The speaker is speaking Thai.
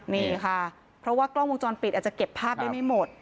นี่ค่ะเพราะว่ากล้องวงจรปิดอาจจะเก็บภาพได้ไม่หมด